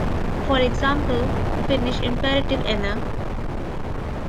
For example, Finnish imperative anna!